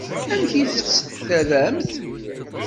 Amek i tt-terramt?